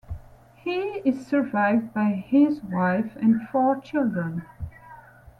He is survived by his wife and four children.